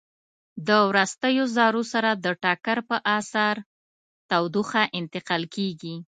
د وروستیو ذرو سره د ټکر په اثر تودوخه انتقال کوي.